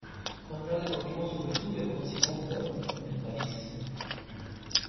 Más tarde continuó sus estudios con Simon Vouet en París.